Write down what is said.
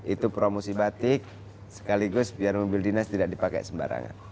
itu promosi batik sekaligus biar mobil dinas tidak dipakai sembarangan